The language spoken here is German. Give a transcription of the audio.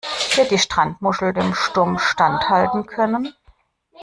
Wird die Strandmuschel dem Sturm standhalten können?